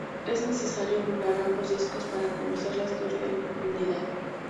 Es necesario jugar ambos discos para conocer la historia en profundidad.